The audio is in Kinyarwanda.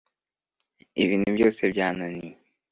ibintu byose byananiye